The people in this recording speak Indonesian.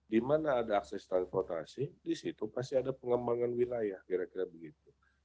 di mana ada akses transportasi di situ pasti ada pengembangan wilayah kira kira begitu